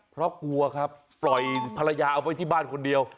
เพราะกลัวครับปล่อยภรรยาเอาไว้ที่บ้านคนเดียว